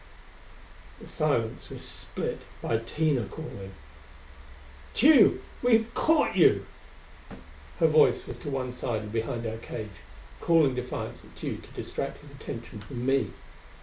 The silence was split by Tina calling, "Tugh, we have caught you!" Her voice was to one side and behind our cage, calling defiance at Tugh to distract his attention from me.